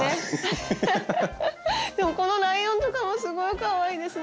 フフフでもこのライオンとかもすごいかわいいですね。